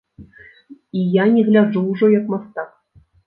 І я не гляджу ўжо як мастак.